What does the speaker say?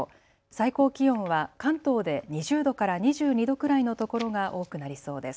最高気温は関東で２０度から２２度くらいのところが多くなりそうです。